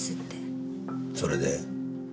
それで？